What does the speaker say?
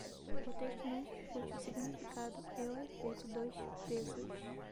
O texto não discute o significado e o efeito dos pesos.